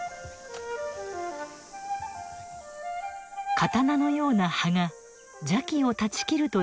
刀のような葉が邪気を断ち切るといわれるチガヤ。